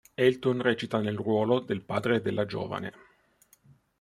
Elton recita nel ruolo del padre della giovane.